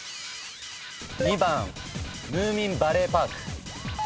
２番ムーミンバレーパーク。